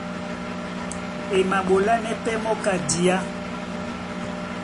E maɓolánɛ́ pɛ́ mɔ́ ka diá.